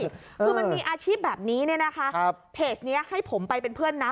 คือมันมีอาชีพแบบนี้เนี่ยนะคะครับเพจนี้ให้ผมไปเป็นเพื่อนนะ